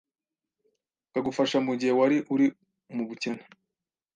akagufasha mu gihe wari uri mu bukene